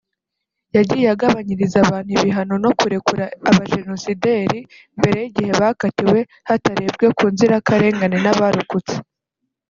yagiye agabanyiriza abantu ibihano no kurekura abajenosideri mbere y’igihe bakatiwe hatarebwe ku nzirakarengane n’abarokotse